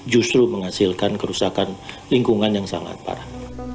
justru menghasilkan kerusakan lingkungan yang sangat parah